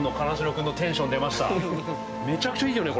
めちゃくちゃいいよね？